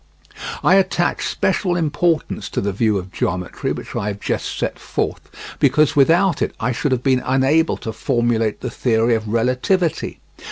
I attach special importance to the view of geometry which I have just set forth, because without it I should have been unable to formulate the theory of relativity.